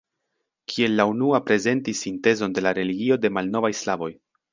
Kiel la unua prezentis sintezon de la religio de malnovaj slavoj.